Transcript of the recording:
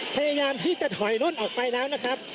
พยายามที่จะถอยล่นออกไปแล้วนะครับ